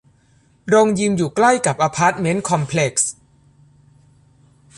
โรงยิมอยู่ใกล้กับอพาร์ตเมนต์คอมเพล็กซ์